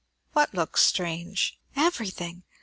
"What looks strange?" "Everything!